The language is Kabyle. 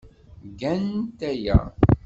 Gant aya.